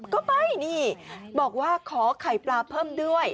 ก็ไปนี่บอกว่าขอไข่ปลาเพิ่มด้วย